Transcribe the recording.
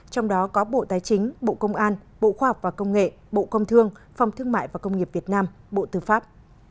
trong đó có bộ tài chính bộ công an bộ khoa học và công nghệ bộ công thương phòng thương mại và công nghiệp việt nam bộ tư pháp